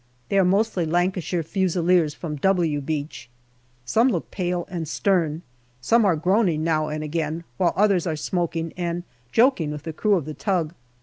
They are mostly Lancashire Fusiliers from " W " Beach. Some look pale and stern, some are groaning now and again, while others are smoking and joking with the crew of the tug.